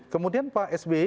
kemudian pak sbe